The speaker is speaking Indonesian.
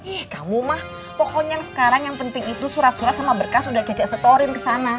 ih kamu mah pokoknya yang sekarang yang penting itu surat surat sama berkas sudah cecek setorin kesana